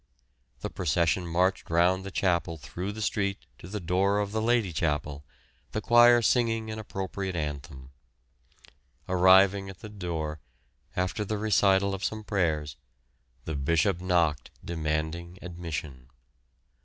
The procession marched round the chapel through the street to the door of the Lady Chapel, the choir singing an appropriate anthem. Arriving at the door, after the recital of some prayers, the Bishop knocked, demanding admission.